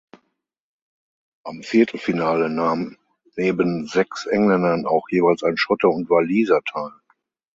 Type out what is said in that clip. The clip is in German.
Am Viertelfinale nahmen neben sechs Engländern auch jeweils ein Schotte und Waliser teil.